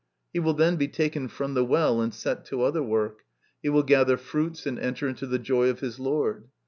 He will then be taken from the well and set to other work ; he will gather fruits and enter into the joy of his lord.